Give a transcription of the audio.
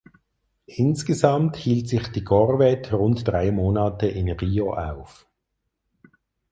Insgesamt hielt sich die Korvette rund drei Monate in Rio auf.